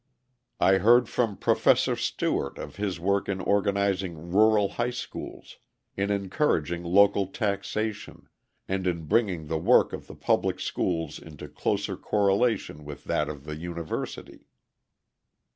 I heard from Professor Stewart of his work in organising rural high schools, in encouraging local taxation, and in bringing the work of the public schools into closer correlation with that of the university.